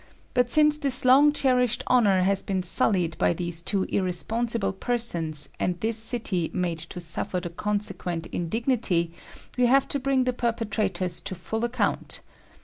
But since this long cherished honor has been sullied by these two irresponsible persons, and this city made to suffer the consequent indignity, we have to bring the perpetrators to full account.